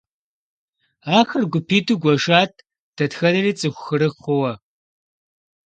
Ахэр гупитIу гуэшат, дэтхэнэри цIыху хырых хъууэ.